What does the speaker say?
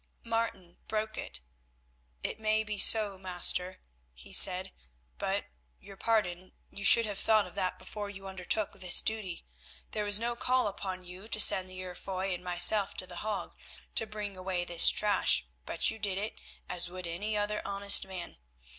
Martin broke it. "It may be so, master," he said; "but, your pardon, you should have thought of that before you undertook this duty. There was no call upon you to send the Heer Foy and myself to The Hague to bring away this trash, but you did it as would any other honest man.